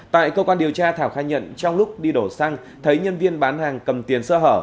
tại cơ quan điều tra thảo khai nhận trong lúc đi đổ xăng thấy nhân viên bán hàng cầm tiền sơ hở